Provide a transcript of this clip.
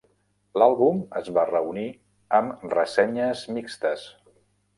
L'àlbum es va reunir amb Ressenyes mixtes.